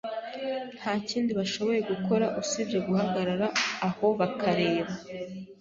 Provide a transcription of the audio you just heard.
Nta kindi bashoboye gukora usibye guhagarara aho bakareba.